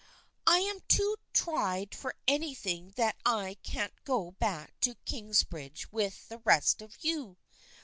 " I am too tried for anything that I can't go back to Kings bridge with the rest of you.